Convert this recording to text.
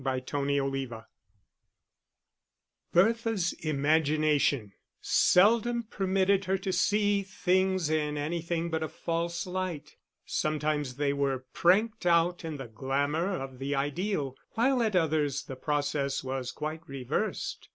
Chapter XXIV Bertha's imagination seldom permitted her to see things in anything but a false light; sometimes they were pranked out in the glamour of the ideal, while at others the process was quite reversed.